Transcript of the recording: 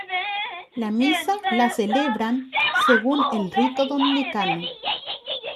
La misa la celebran según el rito dominicano.